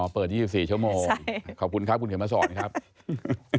เปิด๒๔ชั่วโมงขอบคุณครับคุณเขียนมาสอนครับ